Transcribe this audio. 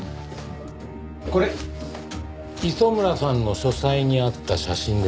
これ磯村さんの書斎にあった写真です。